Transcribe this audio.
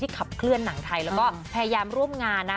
ขับเคลื่อนหนังไทยแล้วก็พยายามร่วมงานนะ